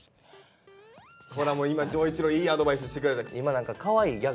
ほら今丈一郎いいアドバイスしてくれた。